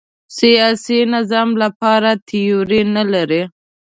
سیاسي نظام لپاره تیوري نه لري